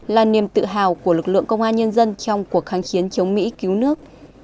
là niềm tự hào của lực lượng công an nhân dân trong cuộc kháng chiến chống mỹ cứu nước